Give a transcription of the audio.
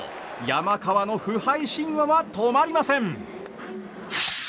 山川の不敗神話は止まりません。